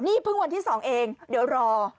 นี่เพิ่งวันที่๒เองเดี๋ยวรอ